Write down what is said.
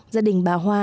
gia đình bà hoa